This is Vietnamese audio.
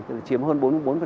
tức là chiếm hơn bốn mươi bốn